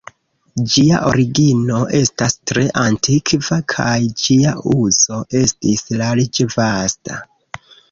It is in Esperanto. Ĝia origino estas tre antikva, kaj ĝia uzo estis larĝe vasta.